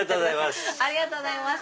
ありがとうございます。